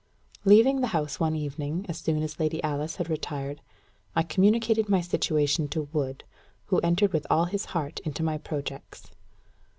Leaving the house one evening, as soon as Lady Alice had retired, I communicated my situation to Wood, who entered with all his heart into my projects.